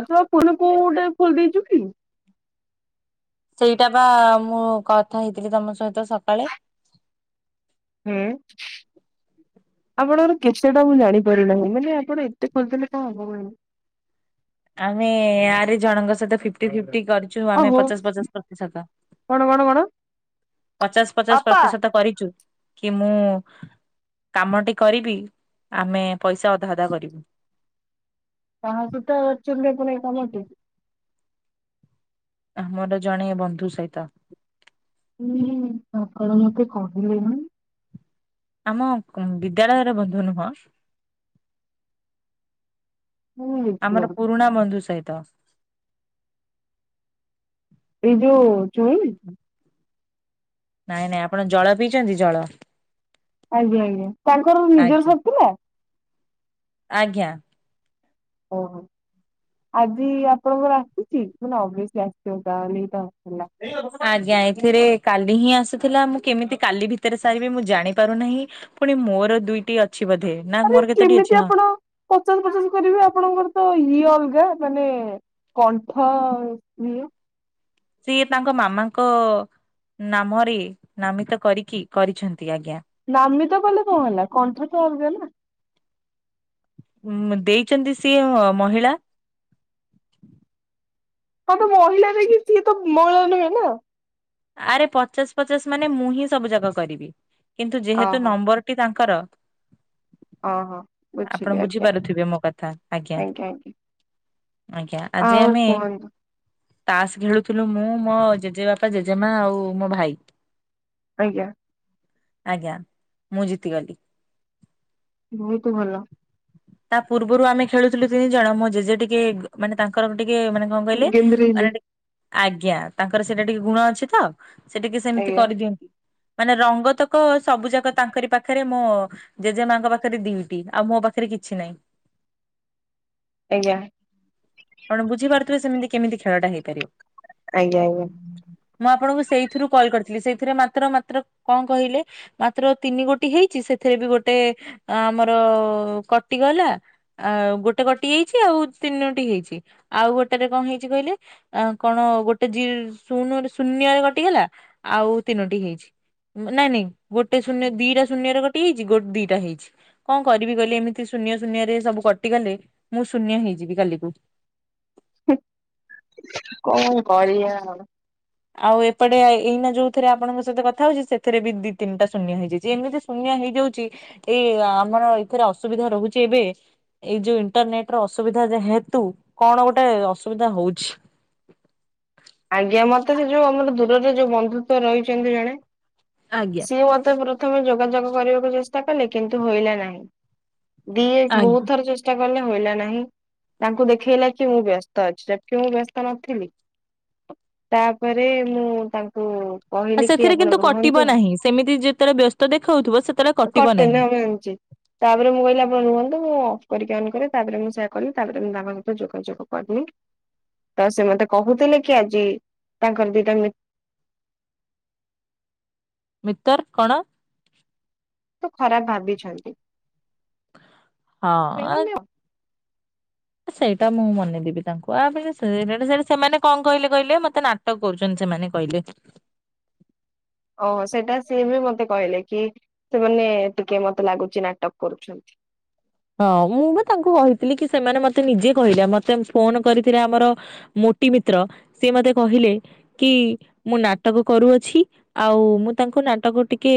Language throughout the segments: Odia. ଆଛା ପୁଣି କୋଉ ଗୋଟେ ଖୋଲି ଦେଇଛୁ କି? ସେଇଟା ବା ମୁଁ କଥା ହେଇଥିଲି ତମ ସହିତ ସକାଳେ। ହୁଁ। ଆପଣଙ୍କର କେତେଟା ମୁଁ ଜାଣିପାରୁନାହିଁ ମାନେ ଆପଣ ଏତେ ଖୋଲିଥିଲେ କଣ ହବ ପୁଣି ଆମେ ଆରେ ଜଣଙ୍କ ସହିତ ଫିଫଟି ଫିଟି କରିଛୁ ଆମେ ଓହୋ ପଚାଶ ପଚାଶ ପ୍ରତିଶତ। କଣ କଣ କଣ ପଚାଶ ପଚାଶ ବାପା ପ୍ରତିଶତ କରିଚୁ କି ମୁଁ କାମଟି କରିବି ଆମେ ପଇସା ଅଧା ଅଧା କରିବୁ। କାହା ସହିତ ଚୁଲି ପୁଣି କଲ କି? ଆମର ଜଣେ ବନ୍ଧୁ ସହିତ। କଣ ମତେ କହିଲେନି। ଆମ ବିଦ୍ୟାଳୟର ବନ୍ଧୁ ନୁହଁ ମୁଁ ଆମର ଦେଖିଗଲି। ପୁରୁଣା ବନ୍ଧୁ ସହିତ। ଏ ଯୁଉ ଚୁଇଁ ନାଇଁ ନାଇଁ ଆପଣ ଜଳ ପିଇଛନ୍ତି ଜଳ? ଆଜ୍ଞା ଆଜ୍ଞା ତାଙ୍କର ନିଜର ଆଜ୍ଞା ସାରିଥିଲା? ଆଜ୍ଞା। ଓହୋ ଆଜି ଆପଣଙ୍କର ଆସିଛି [unintelligible] ଏଇ ଆଜ୍ଞା ଏଥିରେ କାଲି ହିଁ ଆସୁଥିଲା ମୁଁ କେମିତି କାଲି ଭିତରେ ସାରିବି ମୁଁ ଜାଣି ପାରୁନାହିଁ ପୁଣି ମୋର ଦୁଇଟି ଅଛି ବୋଧେ ନା ଆରେ ମୋର କେତୋଟି ଅଛି କେମିତି ହଁ ଆପଣ ପଚାଶ ପଚାଶ କରିବେ ଆପଣଙ୍କର ତ ଇଏ ଲଗା ମାନେ କଣ୍ଠ ସି ସିଏ ତାଙ୍କ ମାମାଙ୍କ ନାମରେ ନାମିତ କରିକି କରିଛନ୍ତି ଆଜ୍ଞା। ନାମି ତ କଲେ କଣ ହେଲା କଣ୍ଠ ତ ଏଲଗ ନା। ମଁ ଦେଇଛନ୍ତି ସିଏ ମହିଳା ହଁ ତ ମହିଳା ଦେଇକି ସିଏ ତ ମହିଳା ନୁହେଁ ନା। ଆରେ ପଚାଶ ପଚାଶ ମାନେ ମୁଁ ହିଁ ସବୁ ଯାକ କରିବି କିନ୍ତୁ ଯେହେତୁ ଓହୋ ନମ୍ବର ଟି ତାଙ୍କ କର ଓହୋ ଆପଣ ବୁଝିଲି ଆଜ୍ଞା ବୁଝିପାରୁଥିବେ ମୋ କଥା ଆଜ୍ଞା। ଆଜ୍ଞା ଆଜି ଆଉ ଆମେ କୁହନ୍ତୁ ତାସ ଖେଳୁଥିଲୁ ମୁଁ ମୋ ଜେଜେ ବାପା ଜେଜେମା ଆଉ ମୋ ଭାଇ। ଆଜ୍ଞା। ଆଜ୍ଞା ମୁଁ ଜିତିଗଲି। ବହୁତ ଭଲ। ତା ପୂର୍ବରୁ ଆମେ ଖେଳୁଥିଲୁ ତିନି ଜଣ ମୋ ଜେଜେ ଟିକେ ଗ ମାନେ ତାଙ୍କର ଟିକେ କଏ ମାନେ କଣ କହିଲେ ଗେନ୍ଧିରେଇଲି ମାନେ ଟିକ ଆଜ୍ଞା ତାଙ୍କର ସେଇଟା ଟିକେ ଗୁଣ ଅଛି ତ ସେ ଟିକେ ସେମିତି ଆଜ୍ଞା କରିଦିଅନ୍ତି। ମାନେ ରଙ୍ଗ ତକ ସବୁ ଯାକ ତାଙ୍କରି ପାଖରେ ମୋ ଜେଜେ ମାଙ୍କ ପାଖରେ ଦିଟି ଆଉ ମୋ ପାଖ ରେ କିଛି ନାହିଁ ଆଜ୍ଞା ଆପଣ ବୁଝିପାରୁଥିବେ ସେମିତି କେମିତି ଖେଳଟା ହେଇପାରିବ ଆଜ୍ଞା ଆଜ୍ଞା। ମୁଁ ଆପଣଙ୍କୁ ସେଇଥିରୁ କଲ କରିଥିଲି ସେଇଥିରେ ମାତ୍ର ମାତ୍ର କଣ କହିଲେ ମାତ୍ର ତିନି ଗୋଟି ହେଇଛି ସେ ସେଥିରେ ବି ଗୋଟେ ଆମର-ଅ-ଅ କଟିଗଲା ଆଉ ଗୋଟେ କଟି ଯାଇଚି ଆଉ ତିନୋଟି ହେଇଛି। ଆଉ ଗୋଟେରେ କଅ ହେଇଛି କହିଲେ? ଆ କଣ ଗୋଟେ ଜି-ଶୂନ ଶୂନ୍ୟରେ କଟିଗଲା, ଆଉ ତିନୋଟି ହେଇଛି। ଉଁ ନାଇଁ ନାଇଁ ଗୋଟେ ଶୂନ୍ୟ ଦିଟା ଶୂନ୍ୟରେ ଗୋଟେ ହେଇଚି ଗୋଡ-ଦିଟା ହେଇଚି। କଅ କରିବି କହିଲେ? ଏମିତି ଶୂନ୍ୟ ଶୂନ୍ୟ ରେ ସବୁ କଟିଗଲେ, ମୁଁ ଶୂନ୍ୟ ହେଇଯିବି କାଲିକୁ। ହୁଁ କଅ କରିଆ ଆଉ? ଆଉ ଏପଟେ ଏଇନା ଯୋଉଥିରେ ଆପଣଙ୍କ ସହିତ କଥା ହୋଉଚି ସେଥିରେ ବି ଦି ତିନିଟା ଶୂନ୍ୟ ହେଇଯାଇଚି। ଏମିତି ଶୂନ୍ୟ ଏଇଆ ହେଇଯାଉଚି, ଏଇ ଆମର ଏଥିରେ ଅସୁବିଧା ରୋହୁଚି ଏବେ। ଏଇ ଯୋଉ ଇଣ୍ଟରନେଟ ର ଅସୁବିଧା ଯେହେତୁ, କଣ ଗୋଟେ ଅସୁବିଧା ହୋଉଛି। ଟ ଆଜ୍ଞା ମତେ ସେ ଯୋଉ ଆମର ଦୂରରେ ଯୋଉ ବନ୍ଧୁତ ରହିଚନ୍ତି ଜଣେ? ଆଜ୍ଞା। ସିଏ ମତେ ପ୍ରଥମେ ଯୋଗାଯୋଗ କରିବାକୁ ଚେଷ୍ଟା କଲେ, କିନ୍ତୁ ହୋଇଲା ନାହିଁ। ଦିଏ ଆଜ୍ଞା ବୋହୁତ ଥର ଚେଷ୍ଟା କ ଗଲେ ହୋଇଲା ନାହିଁ, ତାଙ୍କୁ ଦେଖେଇଲା କି ମୁଁ ବ୍ୟସ୍ତ ଅଛି ଜବକି ମୁଁ ବ୍ୟସ୍ତ ନଥିଲି। ତାପରେ ମୁଁ ତାଙ୍କୁ ଆ କହିଲି କି ସେଥିରେ ଆପଣ କିନ୍ତୁ ରୁହନ୍ତୁ କଟିବ ନାହିଁ, ସେମିତି ଯେତେବେଳେ ବ୍ୟସ୍ତ ଦେଖୋଉଥିବ ସେତେବେଳେ କଟିବ କଟେନ ନାହିଁ। ଆମେ ଆଣିଚେ। ତାପରେ ମୁଁ କଇଲି ଆପଣ ରୁହନ୍ତୁ ଅଁ କରିକି ଅନ କରେ, ତାପରେ ମୁଁ ସେୟା କଲି, ତାପରେ ମୁଁ ବାବାଙ୍କ ଉପରେ ଯୋଗାଯୋଗ କରିଲି। ତ ସେ ମତେ କହୁଥିଲେ କି ଆଜି ତାଙ୍କର ଦିଟା ମି [inaudible] ମିତର୍ କଣ? ତ ଖରାପ ଭାବିଛନ୍ତି। ହଁ ଆ ଆ ସେଇଟା ମୁଁ ମନେଇଁଦେବି ତାଙ୍କୁ, ଆ ଫିର ସେଠୁ-ସେଠୁ ସେମାନେ କଅ କହିଲେ କହିଲେ? ମତେ ନାଟକ କରୁଛନ୍ତି। ସେମାନେ କଇଲେ। [inaudible] ଓହୋ ସେଇଟା ସିଏ ବି ମତେ କହିଲେ। କି ସେମାନେ ଟିକେ ମତେ ଲାଗୁଚି ନାଟକ କରୁଛନ୍ତି। [inaudible] ହଁ ମୁଁ ବା ତାଙ୍କୁ କହିଥିଲି କି ସେମାନେ ମତେ ନିଜେ କହିଲେ। ଆ ମତେ ଫୋନ କରିଥିଲେ ଆମର ମୋ କୋଟି ମିତ୍ର, ସିଏ ମତେ କହିଲେ, କି ମୁଁ ନାଟକ କରୁଅଛି, ଆଉ ମୁଁ ତାଙ୍କ ତାଙ୍କୁ ନାଟକ ଟିକେ,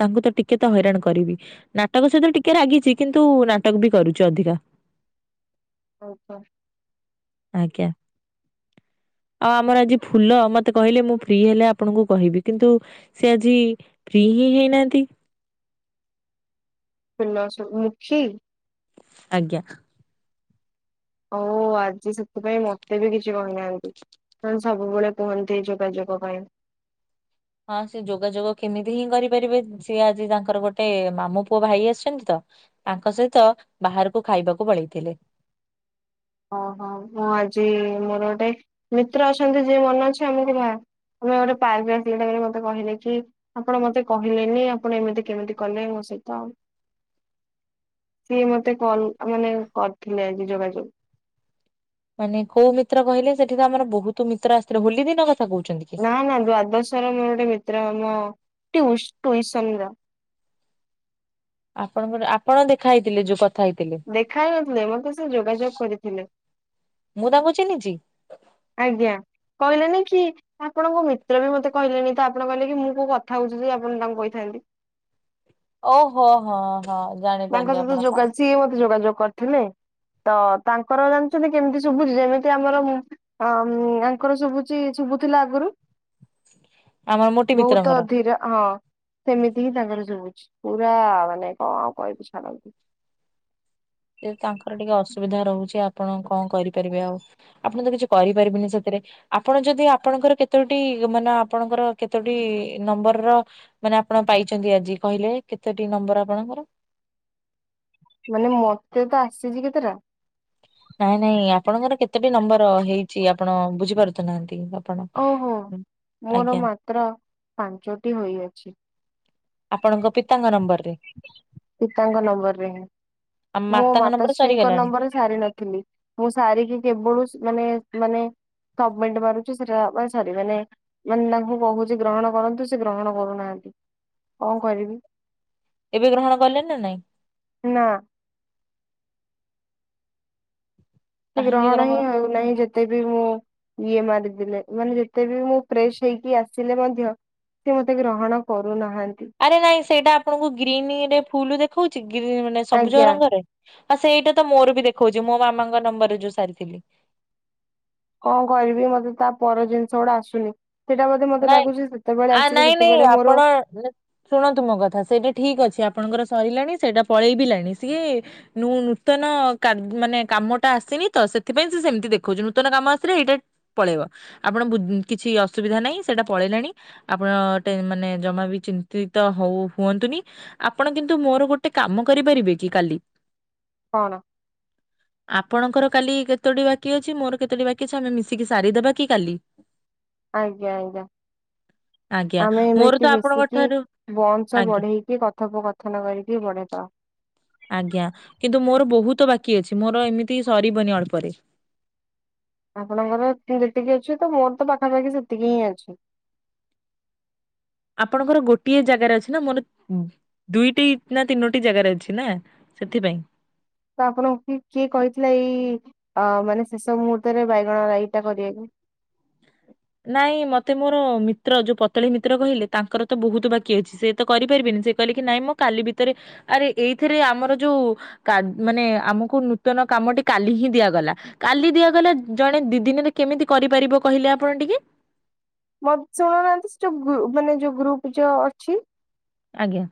ତାଙ୍କୁ ତ ଟିକେ ତ ହଇରାଣ କରିବି। ନାଟକ ସହିତ ବି ଟିକେ ରାଗିଚି, କିନ୍ତୁ ନା ଅଟକ ବି କରୁଛି ଅଧିକା। [inaudible] ହୋଉ କ। [inaudible] ଟ ଅ ଆମର ଆଜି ଫୁଲ ମତେ କହିଲେ ମୁଁ ଫ୍ରି ହେଲେ ଆପଣଙ୍କୁ କହିବି, କିନ୍ତୁ ସେ ଆଜି ଫ୍ରି ହି ହେଇନାଆନ୍ତି। [inaudible] ଉଲାସ ମୁଖୀ-ଇ। ଆଜ୍ଞା। ଓ ଆଜି ସେଥିପାଇଁ ମତେ ବି କିଛି କହିନାହାନ୍ତି। ହଁ ସବୁବେଳେ କୁହନ୍ତି ଯୋଗାଯୋଗ ପାଇଁ। [inaudible] ହଁ ସେ ଯୋଗାଯୋଗ କେମିତି ହିଁ କରିପାରିବେ? ସିଏ ଆଜି ତାଙ୍କର ଗୋଟେ ମାମୁ ପୁଅ ଭାଇ ଆସିଚନ୍ତି ତ। ତାଙ୍କ ସହିତ ବାହାରକୁ ଖାଇବାକୁ ପଳେଇଥିଲେ। [inaudible] ଓ ହଁ ମୁଁ ଆଜି ମୋର ଗୋଟେ ମିତ୍ର ଅଛନ୍ତି ଯିଏ ମନେ ଅଛି ଆମକୁ ବା ଆମେ ଗୋଟେ ପାର୍କ ରେ [unintelligible] ମତେ କହିଲେ କି, ଆପଣ ମତେ କହିଲେନି ଆପଣ ଏମିତି କେମିତି କଲେ ମୋ ସହ? ସେଇ ତ ଆଉ। ଃ ସିଏ ମତେ କଲ ମାନେ କରିଥିଲେ ଆଜି ଯୋଗାଯୋଗ। ମାନେ କୋଉ ମିତ୍ର କହିଲେ? ସେଠି ତ ଆମର ବୋହୁତ ମିତ୍ର ଆସିଥିଲେ। ହୋଲି ଦିନ କଥା? କହୁଛନ୍ତି କି? ନା ନା ଦ୍ୱାଦଶ ର ମୋର ଗୋଟେ ମିତ୍ର। ଆମ ଟିଉ-ଟୁଇସନ ର। [inaudible] ଆପଣଙ୍କର ଆପଣ ଦେଖା ହେଇଥିଲେ? ଯୋଉ କଥା ହେଇଥିଲେ ଦେଖା ହେଇ ନଥିଲେ, ମତେ ସେ ଯୋଗାଯୋଗ କରିଥିଲେ। ମୁଁ ତାଙ୍କୁ ଚିହ୍ନିଛି? ଆଜ୍ଞା। କହିଲେନି କି, ଆପଣଙ୍କ ମିତ୍ର ବି ମତେ କହିଲେଣିି ତ, ଆପଣ କହିଲେ କି -ମୁଁ କୋଉ କଥା ହଉଛି ଯେ ଆପଣ ତାଙ୍କୁ କହିଥାନ୍ତି। ଓହୋ ହୋଅ। ତାଙ୍କ ସହିତ ଯୋଗା, ସିଏ ମତେ ଯୋଗାଯୋଗ କରିଥିଲେ। ତ ତାଙ୍କର ଜାଣିଛନ୍ତି କେମିତି ଶୁଭୁଛି, ଯେମିତି ଆମର ମୁ ଆଁ ୟାଙ୍କର ଶୁଭୁଛି, ଶୁ ହଉଥିଲା ଆଗରୁ- ଆମର ମୋଟି ବହୁତ ମିତ୍ରଙ୍କର। ଅଧୀର ହଁ ସେମିତି ହିଁ ତାଙ୍କର ଶୁଭୁଛି। ପୁରା ମାନେ କଣ କହିବି ଛାଡ଼ନ୍ତୁ। ସେ ତାଙ୍କର ଟିକେ ଅସୁବିଧା ରହୁଛି, ଆପ ଆପଣ କଣ କରିପାରିବେ ଆଉ, ଆପଣ ତ କିଛି କରିପାରିବେନି ସେଥିରେ, ଆପଣ ଯଦି ଆପଣଙ୍କର କେତୋଟି ମାନ ଆପଣଙ୍କର କେତୋଟି ନମ୍ବର ର ମାନେ ଆପଣ ପାଇଛନ୍ତି ଆଜି କହିଲେ, କେତୋଟି ନ ନମ୍ବର ଆପଣଙ୍କର ମାନେ ମତେ ତ ଆସିଛି କେତେଟା ନାଇଁ ନାଇଁ ଆପଣଙ୍କର କେତୋଟି ନମ୍ବର ହେଇଛି, ଆପଣ ବୁଝିପାରୁ ତ ନାହାନ୍ତି। ଓହୋ, ମୋର ମାତ୍ର ପାଞ୍ଚଟି ହୋଇଅଛି। ଆପଣଙ୍କ ପିତାଙ୍କ ନମ୍ବର ପିତାଙ୍କ ନମ୍ବର ରେ ହିଁ ଆମ ମୋ ମାତାଙ୍କ ନମ୍ବର ମାତାଶ୍ରୀଙ୍କ ସରିଗଲାଣି। ନମ୍ବରରେ ସାରି ନଥିଲି, ମୁଁ ସାରିକି କେବଳୁ ମାନେ ମାନେ ସବମେଣ୍ଟ ମାରୁଛି ସେଟା ମାନେ ସାରିବେ ନାହିଁ, ମାନେ ତାଙ୍କୁ କହୁଛି ଗ୍ରହଣ କରନ୍ତୁ, ସେ ଗ୍ରହଣ କରୁନାହାନ୍ତି [inaudible] କଣ କରିବି? ଏବେ ଗ୍ରହଣ କଲେଣି ନା ନାଇଁ? ନା [unintelligible] ସେ ଗ୍ରହଣ ହିଁ ହଉନାହିଁ ଯେତେ ବି ମୁଁ ଇଏ ମାରିଦେଲେ ମାନେ ଯେତେ ବି ମୁଁ ଫ୍ରେଶ ହେଇକି ଆସିଲେ ମଧ୍ୟ ସେ ମତେ ଗ୍ରହଣ କରୁନାହ। ଆରେ ନାଇଁ ସେଇଟା ଆପଣଙ୍କୁ ଗ୍ରୀନରେ ଫୁଲ ଦେଖଉଛି, ଗ୍ରୀନ ମାନେ ସବୁଜ ଆଜ୍ଞା ରଙ୍ଗରେ ଆ ସେଇଟା ତ ମୋର ବି ଦେଖଉଛି, ମୋ ମାମାଙ୍କ ନମ୍ବରରେ ଯୋଉ ସାରିଥିଲି। କଣ କରିବି ମତେ ତା ପର ଜିନିଷ ଗୁଡା ଆସୁନି। ସେଇଟା ବୋଧେ ମତେ ନାଇଁ ଲାଗୁଛି ସେତେବେଳେ ଆ ଆସିବେ, ନାଇଁ ନାଇଁ ଯେତେବେଳେ ମୋର ଆପଣ ଶୁଣନ୍ତୁ ମୋ କଥା ସେଇଟା ଠିକ୍ ଅଛି, ଆପ୍ ଆପଣଙ୍କର ସରିଲାଣି, ସେଇଟା ପଳେଇବିଲାଣି ସିଏ ନୂ ନୂତନ କା ମାନେ କାମଟା ଆସେ ତ ସେଥିପାଇଁ ସେ ସେମିତି ଦେଖଉଛି ନୂତନ କାମ ଆସିଲେ ଏଇଟା ପଳେଇବ, ଆପଣ ବୁ କିଛି ଅସୁବିଧା ନାହିଁ। ସେଟା ପଳେଇଲାଣି, ଆପଣ ଟେ ମାନେ ଜମା ବି ଚିନ୍ତିତ ହଉ ହୁଅନ୍ତୁନି, ଆପଣ କି କିନ୍ତୁ ମୋର ଗୋଟେ କାମ କରିପାରିବେ କି -କାଲି କଣ? [inaudible] ଆପଣଙ୍କର କାଲି କେତୋଟି ବାକି ଅଛି, ମୋର କେତୋଟି ବାକି ଅଛି, ଆମେ ମିଶିକି ସାରିଦେବା କି କାଲି। ଆଜ୍ଞା ଆଜ୍ଞା। ଆଜ୍ଞା। ଆମେ ମୋର ତ ଏମିତି ଆପଣଙ୍କ ମିଶିକି ଠାରୁ ବନ୍ସ ଆଜ୍ଞା ବଢେଇକି, କଥୋପକଥନ କରିକି ବଢେଇଦବା। ଆଜ୍ଞା, କିନ୍ତୁ ମୋର ବହୁତ ବାକି ଅଛି, ମୋର ଏମିତି ସରିବନି ଅଳ୍ପରେ [inaudible] ଆପଣଙ୍କର ଠିକ ଯେତିକି ଅଛି ତ, ମୋର ତ ପାଖାପାଖି ସେତିକି ହିଁ ଅଛି। [inaudible] ଆପଣଙ୍କର ଗୋଟିଏ ଜାଗାରେ ଅଛି ନା, ମୋର ଉଁ ଦୁଇଟି ନା ତିନୋଟି ଜାଗାରେ ଅଛି ନା। ସେଥିପାଇଁ ତ ଆପଣଙ୍କୁ କିଏ କହିଥିଲା -ଏଇ ଅ ମାନେ ଶେଷ ମୁହୂର୍ତ୍ତରେ ବାଇଗଣ ରାଇଟା କରିଆକୁ? ନାଇଁ ମତେ ମୋର ମିତ୍ର ଯୋଉ ପତଳି ମିତ୍ର କହିଲେ ତାଙ୍କର ତ ବହୁତ ବାକି ଅଛି ସେ ତ କରିପାରିବେନି। ସେ କଇଲେ କି ନାଇଁ ମୁଁ କାଲି ଭିତରେ ଆରେ ଏଇଥିରେ ଆମର ଯୋଉ କାଡ୍ ମାନେ ଆମକୁ ନୂତନ କାମଟି କାଲି ହିଁ ଦିଆଗଲା। କାଲି ଦିଆଗଲା ଜଣେ ଦି ଦିନିରେ କେମିତି କରିପାରିବ କହିଲେ ଆ ପଣ ଟିକେ ମତେ ଶୁଣୁନାହାନ୍ତି ସେ ଯୋଉ ଗ୍ରୁ ମାନେ ଯୋଉ ଗ୍ରୁପ ଯଅ ଅଛି। ଆଜ୍ଞା।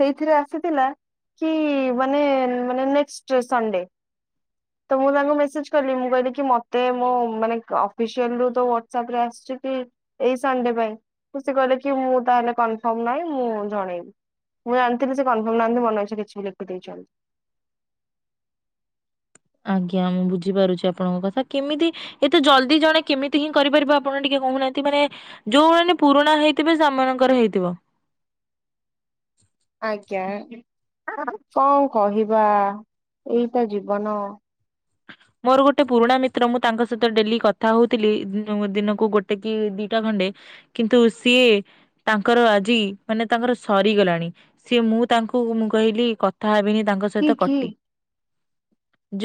ସେଇଥିରେ ଆସିଥିଲା କି ମାନେ ମାନେ ନେକଷ୍ଟ ସନଡେ। ତ ମୁଁ ତାଙ୍କୁ ମେସେଜ କଲି ମୁଁ କଇଲି କି ମତେ ମୋ ମାନେ ଅଫିସିଆଲରୁ ତ ୱାଟସଅପ ରେ ଆସିଚି। ଏଇ ସନଡେ ପାଇଁ ସେ କଇଲେ କି ମୁଁ ତାହେଲେ କନଫର୍ମ ନାଇଁ ମୁଁ ଜଣେଇବି। ମୁଁ ଜାଣିଥିଲି ସେ କନଫର୍ମ ନାହାନ୍ତି ମନଇଛା କିଛି ବି ଲେଖି ଦେଇଚନ୍ତି। ଆଜ୍ଞା ମୁଁ ବୁଝିପାରୁଚି ଆପଣଙ୍କ କଥା। କେମିତି ଏତେ ଜଲ୍ଦି ଜଣେ କେମିତି ହିଁ କରିପାରିବ ଆପଣ ଟିକେ କହୁନାହାନ୍ତି ମାନେ ଯୋଉମାନେ ପୁରୁଣା ହେଇଥିବେ ସେମାନଙ୍କର ହେଇଥିବ। ଆଜ୍ଞା କଣ କହିବା? ଏଇତ ଜୀବନ। ମୋର ଗୋଟେ ପୁରୁଣା ମିତ୍ର ମୁଁ ତାଙ୍କ ସହିତ ଡେଲି କଥା ହଉଥିଲି ଦିନକୁ ଦିନକୁ ଗୋଟେ କି ଦିଟା ଖଣ୍ଡେ କିନ୍ତୁ ସିଏ ତାଙ୍କର ଆଜି ମାନେ ତାଙ୍କର ସରିଗଲାଣି ସେ ମୁଁ। ମୁଁ ତାଙ୍କୁ ମୁଁ କହିଲି କଥା ହେବିନି ତାଙ୍କ କି ସହିତ କି କଟି।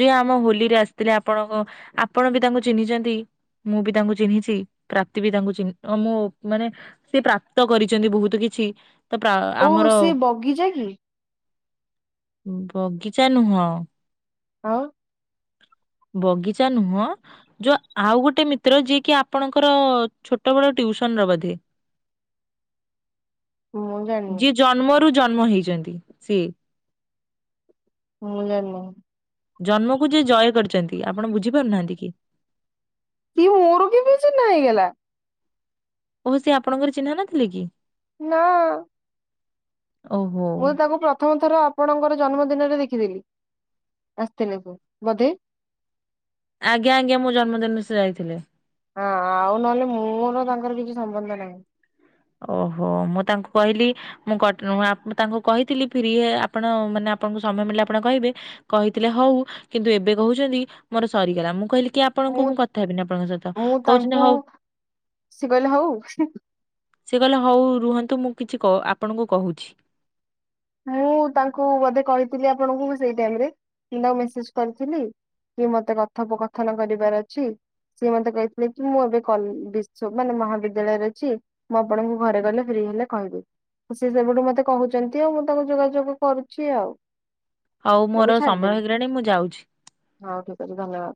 ଯେ ଆମ ହୋଲି ରେ ଆସିଥିଲେ ଆପଣଙ୍କ ଆପଣ ବି ତାଙ୍କୁ ଚିହ୍ନିଚନ୍ତି। ମୁଁ ବି ତାଙ୍କୁ ଚିହ୍ନିଚି ପ୍ରାପ୍ତି ବି ତାଙ୍କୁ ଚିହ୍ନି ଓ ମୋ ମାନେ ସେ ପ୍ରାପ୍ତ କରିଚନ୍ତି ବହୁତ କି ଛି ତ ଓ ପ୍ରା-ଆମର ସେ ବଗିଚା କି? ବଗିଚା ନୁହଁ। ଆଉ ବଗିଚା ନୁହଁ ଯୋଉ ଆଉ ଗୋଟେ ମିତ୍ର ଯିଏ କି ଆପଣଙ୍କର ଛୋଟ ବେଳ ଟିଉ ସନ୍ ର ବୋଧେ। ମୁଁ ଜାଣିନି ଯିଏ ଜନ୍ମରୁ ଜନ୍ମ ହେଇଚନ୍ତି ସିଏ। ମୁଁ ଯାନି। ଜନ୍ମକୁ ଯିଏ ଜୟ କରିଚନ୍ତି ଆପଣ ବୁଝିପାରୁନାହାନ୍ତି କି? କି ମୋର କେବେ ଚିହ୍ନା ହେଇଗଲା? ଓହ ସେ ଆପଣଙ୍କର ଚିହ୍ନା ନଥିଲେ କି? ନାଁ। ଓହୋ ମୁଁ ତାକୁ ପ୍ରଥମ ଥର ଆପଣଙ୍କର ଜନ୍ମଦିନରେ ଦେଖିଥିଲି ଆସିଥିଲେ ସେ ବୋଧେ? ଆଜ୍ଞା ଆଜ୍ଞା ମୋ ଜନ୍ମଦିନରେ ସେ ଯାଇଥିଲେ। ହଁ ଆଉ ନହେଲେ ମୋର ତାଙ୍କର କିଛି ସମ୍ବନ୍ଧ ନାହିଁ। ଓହୋ ମୁଁ ତାଙ୍କୁ କହିଲି ମୁଁ କଟ୍ ଉଁ ଆପ୍ ତାଙ୍କୁ କହିଥିଲି ଫିରି ଇଏ ଆପଣ ମାନେ ଆପ୍ ଆପଣଙ୍କୁ ସମୟ ମିଳିଲେ ଆପଣ କହିବେ କହିଥିଲେ ହଉ କିନ୍ତୁ ଏବେ କହୁଚନ୍ତି ମୋର ସରିଗଲା ମୁଁ କହିଲି କି ଆପଣଙ୍କୁ ମୁଁ କଥା ହେବିନି ଆପଣଙ୍କ ସହିତ ମୁଁ କହୁଚନ୍ତି ତାଙ୍କୁ ହଉ। ସେ କହିଲେ ହଉ ହୁଁ। ସେ କହିଲେ ହଉ ରୁହନ୍ତୁ ମୁଁ କିଛି କ ଆପଣଙ୍କୁ କହୁଛି। ମୁଁ ତାଙ୍କୁ ବୋଧେ କହିଥିଲି ଆପଣଙ୍କୁ ସେଇ ଟାଇମରେ ମୁଁ ତାଙ୍କୁ ମେସେଜ କରିଥିଲି। କି ମତେ କଥୋପକଥନ କରିବାର ଅଛି। ସିଏ ମତେ କହିଥିଲେ କି ମୁଁ ଏବେ କଲ୍ ବିଶ୍ୱ ମାନେ ମହାବିଦ୍ୟାଳୟରେ ଅଛି ମୁଁ ଆପଣଙ୍କୁ ଘରେ ଗଲେ ଫ୍ରି ହେଲେ କହିବି। ସେ ସେବେଠୁ ମତେ କହୁଚନ୍ତି ଆଉ ମୁଁ ତାଙ୍କୁ ଯୋଗାଯୋଗ କରୁଛି ଆଉ। ହଉ ମୁଁ ବି ମୋର ସମୟ ଛାଡ଼ିଦେଲି। ହେଇଗଲାଣି ମୁଁ ଯାଉଛି। ହଁ ଠିକ୍ ଅଛି ଧନ୍ୟବାଦ।